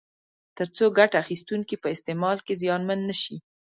ترڅو ګټه اخیستونکي په استعمال کې زیانمن نه شي.